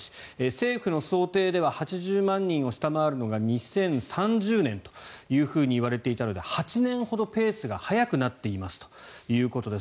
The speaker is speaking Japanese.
政府の想定では８０万人を下回るのが２０３０年といわれていたので８年ほどペースが早くなっていますということです。